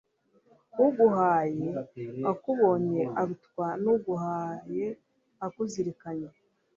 uguhaye akubonye arutwa n'uguhaye akuzirikanye